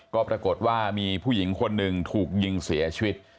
ก็ปรากฏว่ามีผู้หญิงคนหนึ่งถูกยิงเสียชีวิต